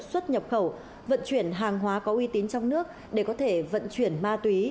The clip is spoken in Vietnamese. xuất nhập khẩu vận chuyển hàng hóa có uy tín trong nước để có thể vận chuyển ma túy